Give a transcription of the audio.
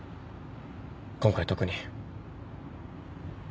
今回特に。